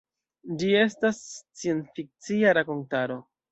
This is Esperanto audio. Ĝi estas sciencfikcia rakontaro.